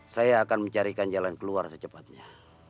saya akan mencarikan jalan keluar secepatnya